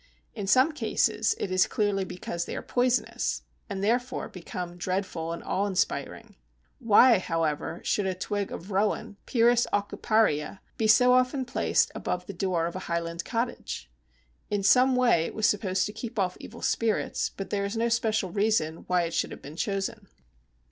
In some cases it is clearly because they are poisonous, and therefore become dreadful and awe inspiring. Why, however, should a twig of Rowan (Pyrus Aucuparia) be so often placed above the door of a Highland cottage? In some way it was supposed to keep off evil spirits, but there is no special reason why it should have been chosen.